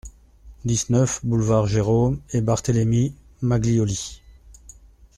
dix-neuf boulevard Jérome et Barthélémy Maglioli